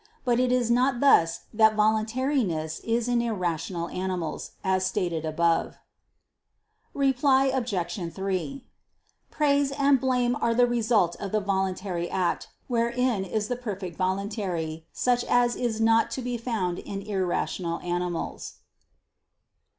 But it is not thus that voluntariness is in irrational animals, as stated above. Reply Obj. 3: Praise and blame are the result of the voluntary act, wherein is the perfect voluntary; such as is not to be found in irrational animals.